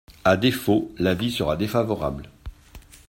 À défaut, l’avis sera défavorable.